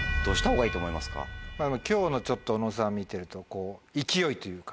今日の小野さん見てると勢いというか。